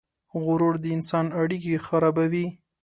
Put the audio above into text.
غرور د انسان اړیکې خرابوي.